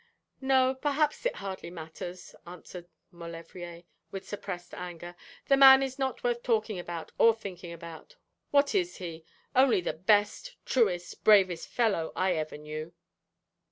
'No, perhaps it hardly matters,' answered Maulevrier, with suppressed anger. 'The man is not worth talking about or thinking about. What is he? Only the best, truest, bravest fellow I ever knew.'